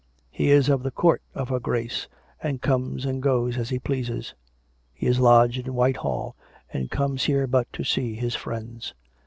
He is of the Court of her Grace, and comes and goes as he pleases. He is lodged in Whitehall, and comes here but to see his friends.